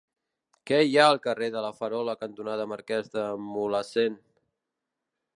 Què hi ha al carrer La Farola cantonada Marquès de Mulhacén?